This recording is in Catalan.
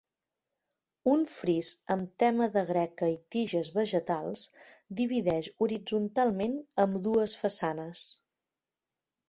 Un fris amb tema de greca i tiges vegetals divideix horitzontalment ambdues façanes.